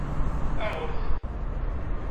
Aɣet!